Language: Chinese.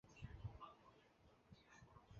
失真的改变现象。